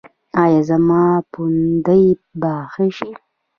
ایا زما پوندې به ښې شي؟